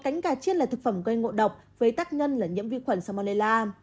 các bệnh viện đã chiết là thực phẩm gây ngộ độc với tác nhân là nhiễm vi khuẩn salmonella